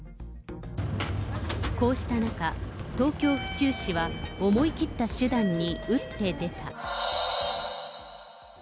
こうした中、東京・府中市は、思い切った手段に打って出た。